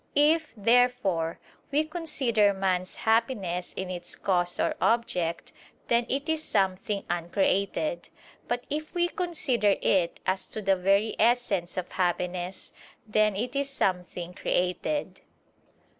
If, therefore, we consider man's happiness in its cause or object, then it is something uncreated; but if we consider it as to the very essence of happiness, then it is something created.